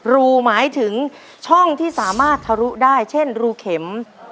รูหมายถึงช่องที่สามารถทะลุได้เช่นรูเข็ม